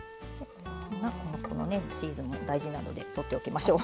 このねチーズも大事なのでとっておきましょう。